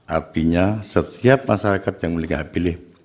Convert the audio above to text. artinya setiap masyarakat yang memiliki hak pilih